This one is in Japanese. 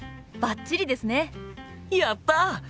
やった！